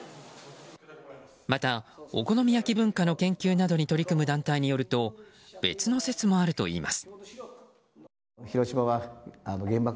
また、お好み焼き文化の研究などに取り組む団体によると別の説もあるといいます。